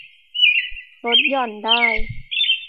ลดหย่อนได้